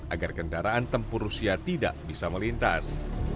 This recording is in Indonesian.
agar kendaraan tempur rusia tidak bisa melintas